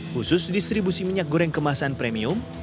khusus distribusi minyak goreng kemasan premium